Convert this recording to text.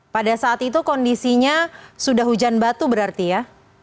pada saat itu kondisinya sudah hujan batu berarti ya